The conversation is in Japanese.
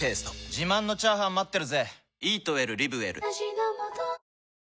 自慢のチャーハン待ってるぜ！